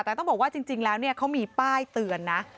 แต่ต้องบอกว่าจริงแล้วเขามีป้ายเตือนนะ